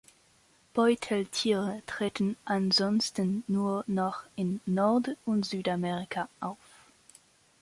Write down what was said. Beuteltiere treten ansonsten nur noch in Nord- und Südamerika auf.